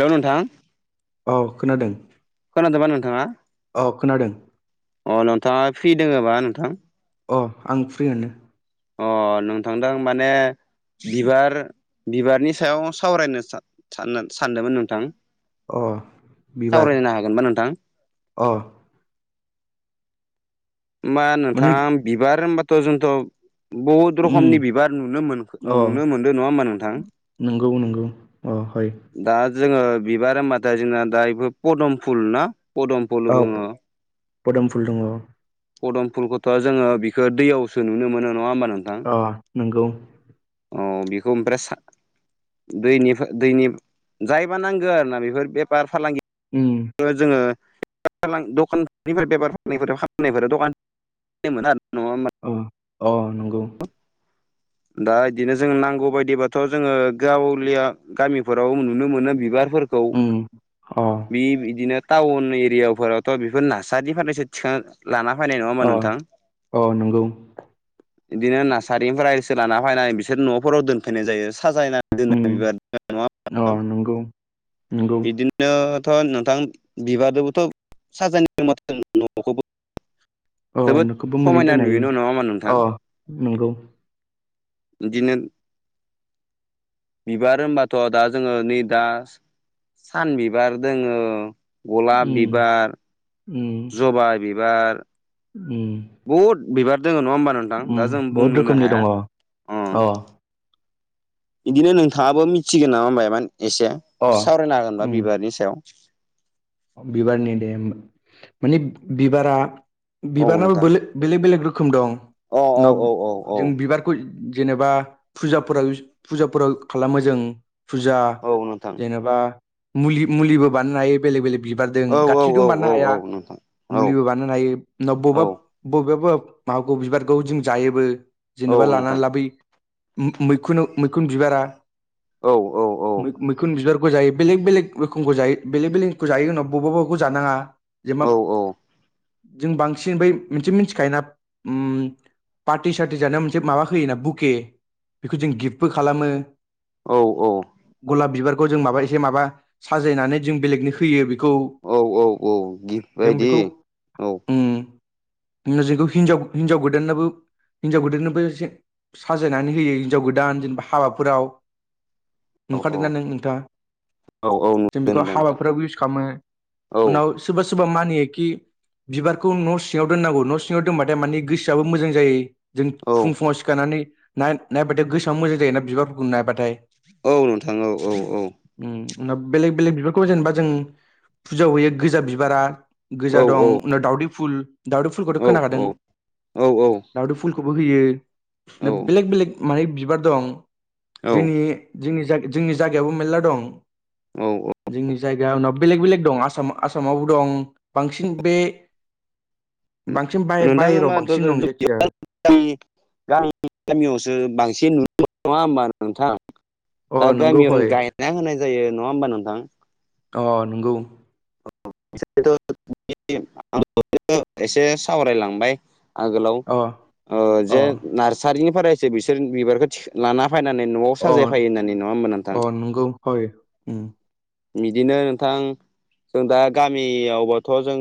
लौ नोंथां। औ खोनादों। खोनादोंबा नोंथांङा अ खोनादों अ नोंथांङा फ्रि दोंङोबा नोंथां? अ आं फ्रि आनो। अ नोंथांदो आं माने बिबार बिबारनि सायाव सावरायनो सान-साननो सानदोंमोन नोंथा। अ बिबार हागोनबा नोंथां अ मा माने नोंथां बिबार होनबाथ' जोंथ' बहुद उम रखमनि बिबार नुनो मोनखो अ नुनो मोनदों नंङा होमबा नोंथां? नंगौ नंगौ अ हय दा जोंङो बिबार होनबाथाय जोंना दा बेफोर पदम फुल ना पदम फुल औ फ बुङो फदम फुल दंङ। पदम फुलखौथ' जोंङो बिखो दैयावसो नुनो मोनो नंङा होमबा नों अह नोंगौ। अ बेखौ ओमफ्राय सा दैनिफा दैनि जायबा नांगौ आरोना बेफोर बेफार फालांगि उम [unintelligible] [unintelligible] औ अ नंगौ दा बिदिनो जों नांगौ बायदिबाथ' जोङो गावलिया गामिफोराव नुनो मोनो बिबारफोर उम अ बि बिदिनो टाउन एरियाफोरावथ' बेफोर नार्सारि फारनायसो थिखां लाना फैनाय नङा होमबा अ नोंथां अ नंगौ बिदिनो नार्सारिनिफ्राय सो लाना फैनानै बिसोर न'फोराव दोनफैनाय जायो साजायना दोनो उम बिबारफोरखौ नङा होनबा अ नोंथां नंगौ नंगौ बिदि नोथ' नोंथां बिबारदोबोथ' साजायनो रोंबाथ' नुनो मोनो न'खौबो अ जोबोद नोंखौबो मोजाङै समायना दोननो नुयो न' नङा हायो होनबा नोंथां अ नंगौ बिदिनो बिबार होनबाथ' दा जोङो नै दा सान बिबार दोङो गलाब उम बिबार, उम जबा बिबार उम बहुद बिबार दङ नङा होमबा नोंथां उम दा जों बहुद बुंनोनो रोखोमनि दङ हाया अ अ बिदिनो नोंथाङाबो मिथिगोन नामा मायबा एसे अ सावरायनो हागोनबा उम बिबारनि सायाव बिबारनि दे होमबा मानि बिबारा औ बिबाराबो नोंथां बोलो बेलेग बेलेग रोखोम दं औ औ नब औ औ औ जों बिबार खुइ जेनेबा फुजाफोराव फुजाफोराव खालामो जों फुजा औ नोंथां जेनेबा मुलि मुलिबो बानायनो हायो बेलेग बेलेग बिबारदों औ औ औ गासैजों औ बानायनो हाया औ नोंथां औ मुलिबो बानायनो हायो नाव औ बबाब बबेबा बबेबा माखौ बिबारखौ जों जायोबो जेनेबा औ नोंथां लानानै लाबोयो मैखुन मैखुन बिबारा औ औ मै-मैखुन बिबारखौ जायो बेलेग बेलेग रोखोमखौ जायो बेलेग बेलेग खौ जायो होन बबा बबेबाखौ जानाङा जेनेबा औ जों बांसिन बै मोनसे मिथिखायोना उम पार्टि सार्टि जानायाव मोनसे माबा होयोना बुके बेखौ जों गिफ्टबो खालामो औ औ गलाब बिबारखौ जों माबा एसे माबा साजायनानै जों बेलेगनो होयो बेखौ औ औ औ गिफ्ट जों बायदि बेखौ औ उम जोंखौ हिनजाव हिनजाव गोदाननोबो हिनजाव गोदाननोबो एसे साजायनानै होयो हिनजाव गोदान जेनेबा हाबाफोराव औ नुखादोंदा नों नोंथाङा औ औ नुदों जों बेखौ नोंथां नोंथां हाबाफोराबो इउस मो औ उनाव सोरबा सोरबा मानियोखि बिबारखौ न' सिङाव दोननांगौ न' सिङाव दोनबाथाय मानि गोसोआबो मोजां जायो जों औ फुं फुङाव सिखारनानै नाय-नायबाथाय गोसोआ मोजां जायोना बिबारफोरखौ नायबाथाय औ नोंथां औ औ औ उम बेलेग बेलेग बिबारखौ जेनेबा जों फुजायाव होयो गोजा बिबारा औ गोजा दं उनाव दाउदै फुल दावदै फुलखौथ' औ खोनाखादों दाउदै फुलखौबो औ होयो बेलेक बेलेक माने बिबार दं जोंनि औ जोंनि जाग जोंनि जायगायाव‌बो मेरला दं औ औ जोंनि जायगा उनाव बेलेग बेलेग दं आसाम आसामावबो दं बांसिन बे बांसिन नोंथां होमबा बाय-बायेरायाव बांसिन दं जायखिजाया गामि गामियावसो बांसिन नुनो मोनो नङा होमबा नोंथां अ दा नंगौ गामियावनो हय गायना होनाय जायो नङा होमबा नोंथां अह नोंगौ। [unintelligible] एसे सावरायलांबाय। आगोलाव अ ओ अ जे नार्सारिनि फरायसै बिसोर बिबारखौ थि-लाना फायनानै न'आव अ साजायफायो होननानै नङा होमबा नोंथां? अ नंगौ हय उम बिदिनो नोंथां जों दा गामियावबाथ' जों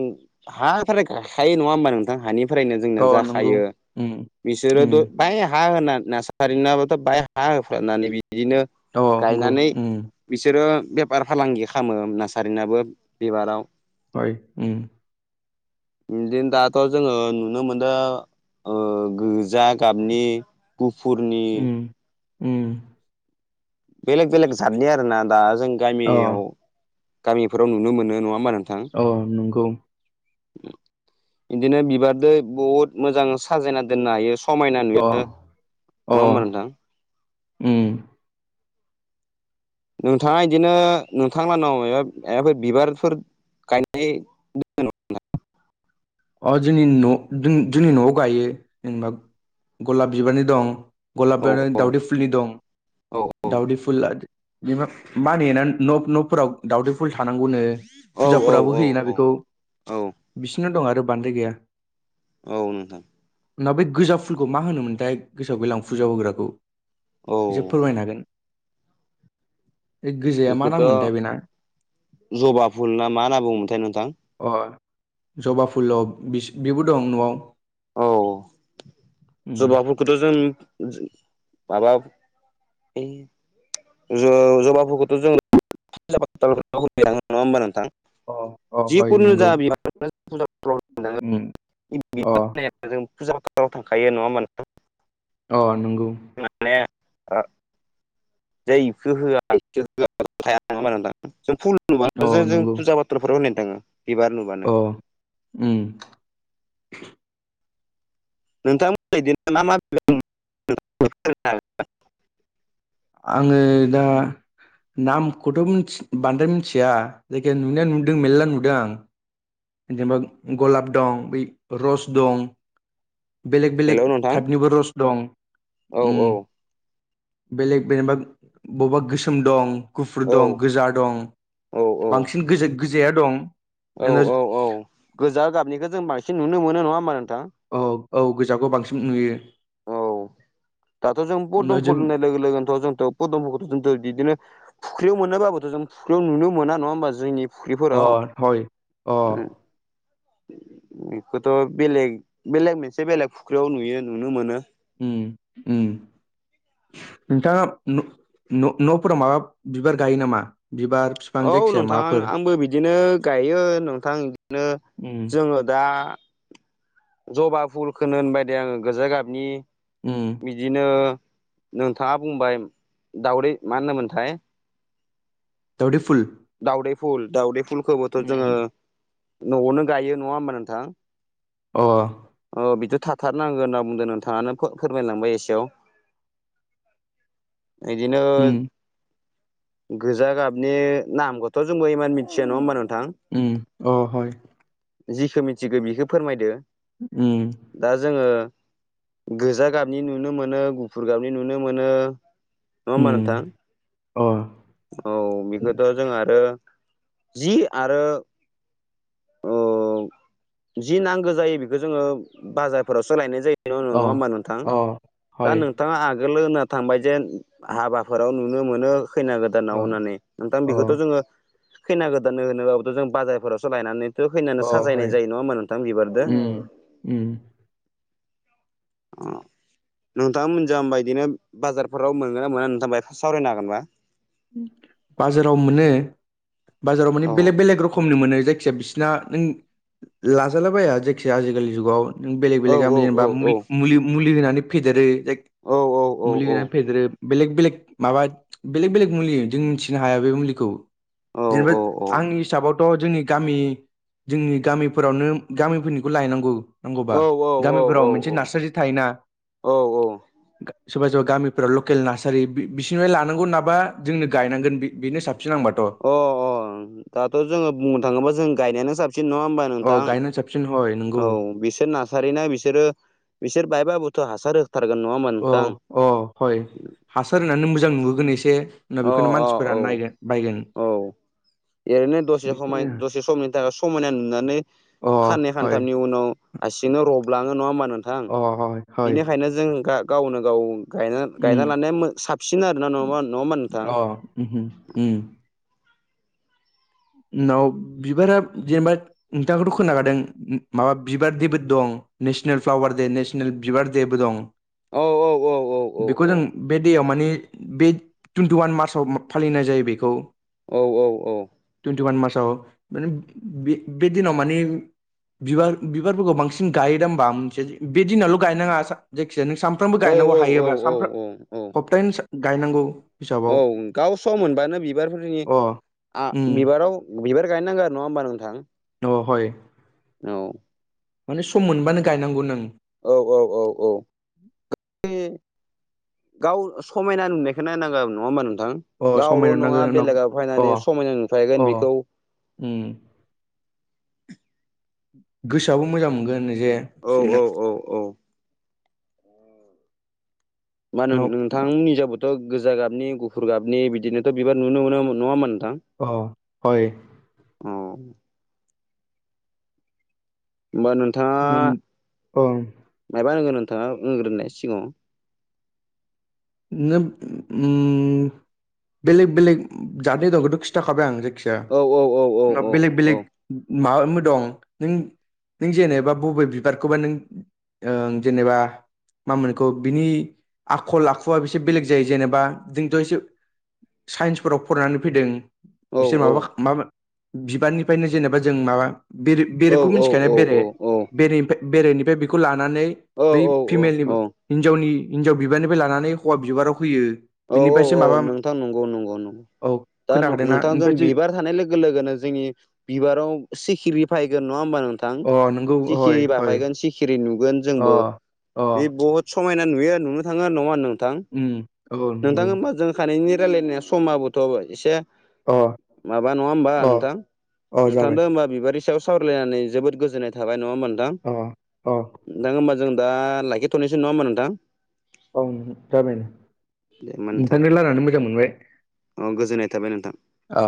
हाथारै गाखायो नङा होमबा नोंथां हानि फ्रायनो जोंना अ नंगौ जाखायो उम बिसोरो उम द बाय हा होना नास सारिनाबोथ' बाय हा होफ्रानानै बिदिनो अ नंगौ गायनानै उम बिसोरो बेफार फालांगि खामो नार्सारिनाबो बिबाराव। हय उम। बिदिनो दाथ' जोङो नुनो मोनदो ओ गोजा गाबनि गुफुरनि उम उम। बेलेग बेलेग जतनि आरोना दा जों अ गामियाव गामिफोराव नुनो मोनो नङा होमबा नों औ औ नंगौ। इदिनो बिबारदो बहुत मोजां साजायना दोननो हायो समायना नुयो अ अ नङा होमबा नोंथां उम। नोंथाङा इदिनो नोंथां लानाव [unintelligible] बिबारफोर गायनाय अ जोंनि न' जोंनि जोंनि न'आव गायो जेनबा गलाब बिबारनि दं गलाब औ आरो औ दावदै फुलनि दं औ दावदै फुल [unintelligible] मानेनान न' न'फोराव दावदै फुल थानांगौनो औ औ फुजाफोरावबो औ होयोना औ बेखौ औ बिसिनो दं आरो बांद्राय गैया। औ नोंथां। ना बै गोजा फुलखौ मा होनो मोन्थाय गोसोआव गैला आं फुजाआव होग्राखौ। औ। [unintelligible] फोरमायनो हागोन। बे गोजाया मा इखौथ' नाम मोनथाय बेना जबा फुल ना मा होन्ना बुङोमोनथाय नोंथां? अ जबा फुल अ बिस-बिबो दं न'आव। औ उम। जबा फुलखौथ' जों माबा ओइ ज-जबाफोरखौथ' जों [unintelligible] [unintelligible] नङा होमबा नोंथां? अ अ हय जिखुनु नंगौ जा [unintelligible] उम होफैनाङो अ'। [unintelligible] जों फुजा फोराव थांखायो नङा होमबा नोंथां? अ नोंगौ। [unintelligible] जाय इखौ होआ [unintelligible] हाया नङा होमबा नोंथां? जों फुल अ नुबानो जे जों नंगौ फुजा फाथ [unintelligible] दं बिबार नु अ' उम। नोंथां [unintelligible] इदिनो मा मा [unintelligible] [unintelligible] आङो दा नामखौथ' मोनथि बांद्राय मोनथिया जायखिया नुनाया नुदों मेल्ला नुदों आं। जेनोबा गलाब दं, बै रस दं। बेलेग बेलेग हेलौ नोंथां टाइपनिबो रस दं औ औ उम। बेलेग बेनोबा बब्बा गोसोम दं, गुफुर औ दं, गोजा दं औ बांसिन गोज-गोजाया दं औ औ [unintelligible] औ गोजा गाबनिखो जों बांसिन नुनो मोनो नङा होमबा नोंथां? औ औ गोजाखौ बांसिन नुयो। औ दाथ' जों पदम उनाव जों फुल होननाय लोगो लोगोनोथ' जोंथ' पदमफोरखौथ' जों दो बिदिनो फुख्रियाव मोनोबाबोथ' जों फुख्रियाव नुनो मोना नङा होमबा जोंनि ‌ अ फुख्रिफोराव हय अ उम। बेखौथ' बेलेग बेलेग मोनसे बेलेग फुख्रियाव नुयो नुनो मोनो। उम उम। नोंथाङा न' न' न'फोराव माबा बिबार गायो नामा बिबार फि औ नोंथां आं-आंबो बिदिनो गायो नोंथां। बिदिनो उम जोङो दा जबा फुलखौनो होनबाय दे आङो गोजा गाबनि उम। बिदिनो नोंथाङा बुंबाय दावदै मा होनोमोनथाय? दावदैफुल। दावदै फुल, दाउदै फुलखौबोथ' जोङो न'आवनो गायो नङा होमबा नोंथां? अह। अ बिथ' थाथारनांगोन होनना बुंदों नोंथाङानो फोरमायलांबाय एसेयाव। बिदिनो उम गोजा गाबनि नामखौथ' जोंबो इमान मिथिया नङा होमबा नोंथां? उम अ हर। जिखौ मिथिगौ बेखो फोरमायदो। उम। दा जोङो गोजा गाबनि नुनो मोनो गुफुर गाबनि नुनो मोनो। नङा होमबा उम नोंथां? अ औ। गोदोथ' जों आरो जि आरो अ जि नांगो जायो बेखौ जोङो बाजारफोरावसो लायनाय जायो। नङा अ होमबा नोंथां? अ दा हय नोंथाङा आगोलो होनना थांबाय जेन हाबाफोराव नुनो मोनो खैना गोदानाव अ होननानै, नोंथां अ बेखौथ' जों जोंङो खैना गोदाननो होनोबाबोथ' जों बाजारफोरावसो लायनानै फैनानै अ हय साजायनाय जायो नङा होमा नोंथां बिबारदो। उम उम। अ नोंथाङा मोनजा हमबा बिदिनो बाजारफोराव मोनगोन ना मोना नोंथाङा बाय सावरायनो हागोनबा? बाजाराव मोनो, बाजाराव माने औ बेलेक बेलेक रोखमनि मोननाय जायो। जायखिजाया बिसिरना नों लाजाला बाया जायखिजाया आजिखालि जुगाव। नों बेलेग औ बेलेग औ औ जेनेबा औ मुलि मुलि होनानै फेदेरो। जे औ औ औ मुलि होनानै फेदेरो बेलेग बेलेग माबा बेलेक बेलेक मुलि जों मिथिनो हाया बे मुलिखौ औ जेनेबा औ औ आंनि हिसाबाव थ' जोंनि गामि जोंनि गामिफोरावनो गामिफोरनिखौ लायनांगौ। नांगौबा गामिफोराव औ मोनसे नार्सारि थायोना। औ औ सोरबा सोरबा गामिफोराव लकेल नार्सारि बिसोरनिफ्राय लानांगौ नङाबा जोंनो गायनांगोन बे बेनो साबसिन आंनिबाथ'। अ अ अ दाथ' जोङो बुंनो थाङोबा जों गायनायानो साबसिन नङा होमबा? अ नोंथां। गायनानै साबसिन हय नंगौ औ बिसोर नासा सारिना बिसोरो बिसोर बायबाबोथ' हासार हो थारगोन नङा होनबा? औ अ हय, हासार होननानै मोजां नुहोगोन एसे। उनाव अ बेखौनो अ मानसिफोरा औ नायगोन बायगोन। एरैनो दसे हमय बिसोरनो दसे समनि थाखाय समायना नुनानै अ खाननै हय खानथामनि उनाव हारसिंनो रबलाङो नङा होमबानो नोंथां? थां अ हय हय बेनिखायनो जों गा गावनो गाव गायना उम गायना लानाया मो साबसिन आरोना नङाबा नङा होनबा नों अ उहु उम। उनाव बिबारा जेनेबा नोंथांखौथ' खोनाखादों माबा बिबार देबो दं नेसनेल फ्लावार दे नेसनेल बिबार देबो दं। औ औ औ औ बेखौ औ जों बे दैयाव माने बे टुइन्टिवान मार्चआव फालिनाय जायो बेखौ। औ औ औ। टुइन्टिवान मार्साव माने बे बे दिनाव माने बिबार बिबारफोरखौ बांसिन गायोदा होमबा मोनसे बे दिनावल' गायनाङा जायखिजाया नों सानफ्रामबो औ गायनांगौ हायोबा औ सानफ्राम औ औ सप्तानो गायनांगौ‌ औ गाव सम मोनबानो बिबारफोरनि अ आ उम बिबाराव बिबार गायनो नांगौ आरो नङा होनबा नोंथां? द हय। औ। माने सम मोनबानो गायनांगौ नों। औ औ औ औ [unintelligible] गाव समायना नुनायखौ नायनांगोन नङा होमबा नोंथां? अ समायना गावल' नङा नुनांगोन उनाव बेलेगा फैनानै अ समायना नुफैगोन अ बेखौ। उम। गोसोयाबो मोजां मोनगोन जे औ औ औ औ। मा होनो उनाव नोंथांनिजाबोद थ' गोजा गाबनि गुफुर गाबनि बिदिनोथ' बिबार नुनो मोनो नङामोन नोंथां? औ हय। अ होमबा होनबा नों उम ओ। मायबा होनगोन नोंथाङा उम होनग्रोनाय सिगाङाव? [unintelligible] बेलेग बेलेग जादनि दंखौथ' खिथाखाबाय आं जायखि जाया औ औ औ औ उनाव औ बेलेग औ बेलेग माबाबो दं नों नों जेनोबा बबे बिबारखौबा नों ओं जेनोबा मा मोनखौ बिनि आखल आखु या एसे बेलेग जायो जेनोबा जोंथ' एसे साइन्सफोराव फरायनानै फैदों। औ बिसोर औ माबा मामोन बिबारनिफ्रायनो जेनोबा जों माबा बेरे औ बेरेखौ मिथिखानाया औ बेरे? बेरेनिफ्राय बेरेनिफ्राय बेखौ लानानै औ बै फिमेलनिबो हिन्जावनि हिन्जाव बिबारनिफ्राय लानानै हौवा बिबाराव फैयो। औ औ औ नोंथां नंगौ नंगौ नंगौ। औ दा खोनाखादोंना नोंथांजों ओमफ्राय जे बिबार थानाय लो लोगो लोगोनो जोंनि बिबाराव सिखिरि फायगोन नङा होमबा नों थां? अ नंगौ हय सिखिरि हय बाफैगोन सि खिरि नुगोन अ जोंबो। अ बे बहुद समायना नुयो नुनो थाङो नङा नोंथां? उम। औ नोंथां नंगौ होमबा जों खानैनि रायलायनाया समाबोथ' एसे अ माबा नङा होमबा अ नोंथां? अ जाबाय नोंथांदों होनबा बिबारनि सायाव सावरायलायनानै जोबोद गोजोननाय थाबाय नङा होनबा नोंथां? अ अ नोंथां होमबा जों दा लाखिथ'नोसै नङा होनबा नोंथां? औ जाबाइयानो। दे होमबा नोंथां। औ गोजोननाय थाबाय नोंथां। ओ।